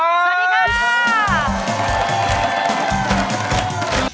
สวัสดีค่ะ